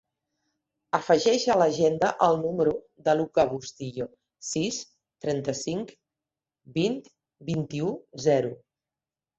Afegeix a l'agenda el número del Luka Bustillo: sis, trenta-cinc, vint, vint-i-u, zero.